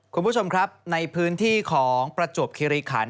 คุณผู้ชมครับในพื้นที่ของประจวบคิริขัน